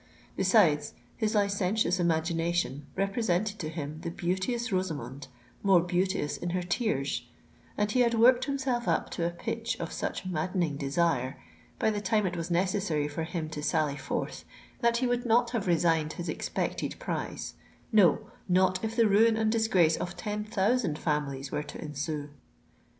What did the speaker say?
Besides, his licentious imagination represented to him the beauteous Rosamond, more beauteous in her tears; and he had worked himself up to a pitch of such maddening desire, by the time it was necessary for him to sally forth, that he would not have resigned his expected prize—no, not if the ruin and disgrace of ten thousand families were to ensue.